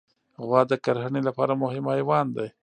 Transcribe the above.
غوا د کرهڼې لپاره مهم حیوان دی.